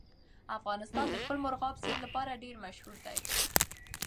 افغانستان د خپل مورغاب سیند لپاره ډېر مشهور دی.